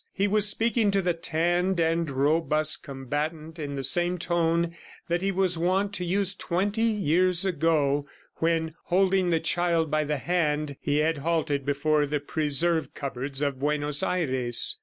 He was speaking to the tanned and robust combatant in the same tone that he was wont to use twenty years ago when, holding the child by the hand, he had halted before the preserve cupboards of Buenos Aires.